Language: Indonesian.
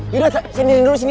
yaudah sanderin dulu sini